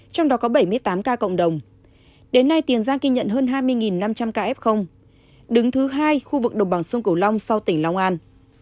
trong đó có bảy mươi tám ca cộng đồng đến nay tiền giang ghi nhận hơn hai mươi năm trăm linh ca f đứng thứ hai khu vực đồng bằng sông cửu long sau tỉnh long an